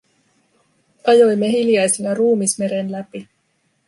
Ajoimme hiljaisina ruumismeren läpi.